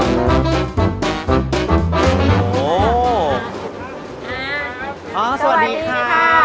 อ๋อสวัสดีค่ะ